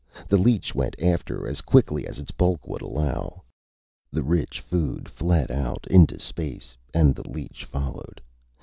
The leech went after as quickly as its bulk would allow. The rich food fled out, into space, and the leech followed.